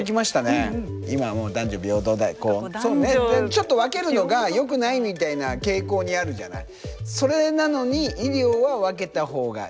ちょっと分けるのがよくないみたいな傾向にあるじゃない？